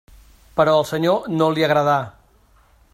Però al Senyor no li agradà.